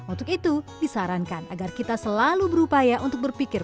untuk itu disarankan agar kita selalu berupaya untuk berpikir